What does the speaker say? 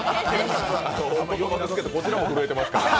お言葉ですけど、こちらも震えていますから。